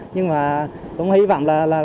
nhưng mà cũng hy vọng là